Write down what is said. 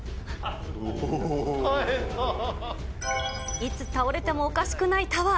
いつ倒れてもおかしくないタワー。